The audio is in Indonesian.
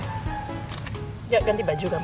ya ganti baju kamu